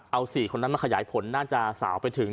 เอา๔คนนั้นมาขยายผลน่าจะสาวไปถึง